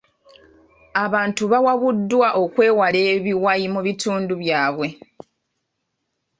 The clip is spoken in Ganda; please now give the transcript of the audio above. Abantu bawabuddwa okwewala ebiwayi mu bitundu byabwe.